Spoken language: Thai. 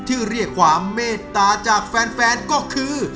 เรียกความเมตตาจากแฟนก็คือ